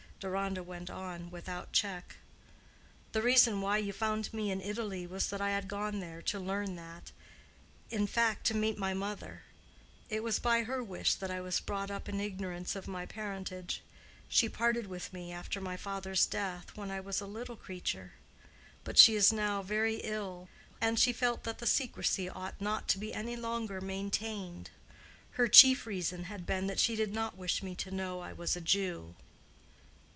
Deronda went on without check. "The reason why you found me in Italy was that I had gone there to learn that—in fact, to meet my mother. It was by her wish that I was brought up in ignorance of my parentage. She parted with me after my father's death, when I was a little creature. But she is now very ill, and she felt that the secrecy ought not to be any longer maintained. Her chief reason had been that she did not wish me to know I was a Jew."